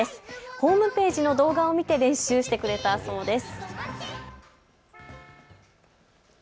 ホームページの動画を見て練習してくれたそうです。